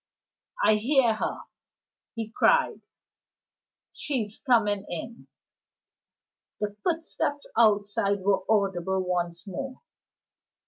"I hear her," he cried, "She's coming in!" The footsteps outside were audible once more.